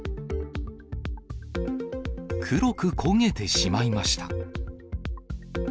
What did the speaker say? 黒く焦げてしまいました。